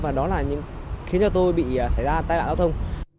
và đó là khiến cho tôi bị xảy ra tai nạn giao thông